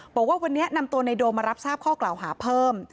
บอกว่าวันนี้นำตัวในโดมมารับทราบข้อกล่าวหาเพิ่ม